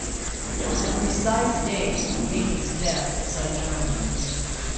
The precise date of Heydon's death is unknown.